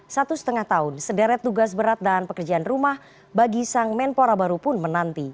satu setengah tahun sederet tugas berat dan pekerjaan rumah bagi sang menpora baru pun menanti